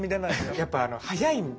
やっぱ速いんで。